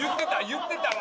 言ってたわ！